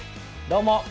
どうも！